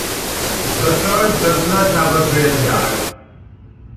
The church does not have a graveyard.